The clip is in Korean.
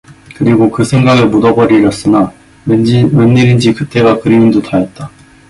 그리고 그 생각을 묻어 버리렸으나 웬일인지 그때가 그리운듯 하였다.